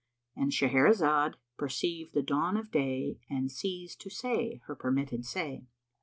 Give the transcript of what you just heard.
—And Shahrazad perceived the dawn of day and ceased to say her permitted say.